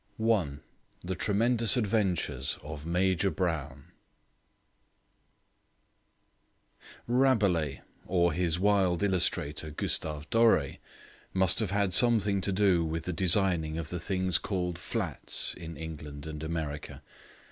The Tremendous Adventures of Major Brown Rabelais, or his wild illustrator Gustave Dore, must have had something to do with the designing of the things called flats in England and America.